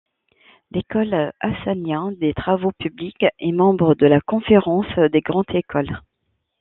L'École Hassania des travaux publics est membre de la conférence des grandes écoles.